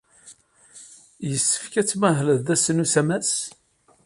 Yessefk ad tmahled ass n usamas?